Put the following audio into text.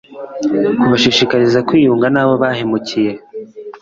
kubashishikariza kwiyunga nabo bahemukiye